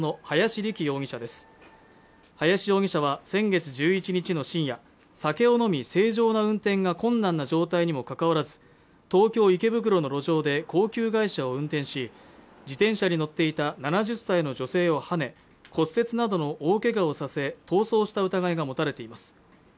林容疑者は先月１１日の深夜酒を飲み正常な運転が困難な状態にもかかわらず東京・池袋の路上で高級外車を運転し自転車に乗っていた７０歳の女性をはね骨折などの大けがをさせ逃走した疑いが持たれています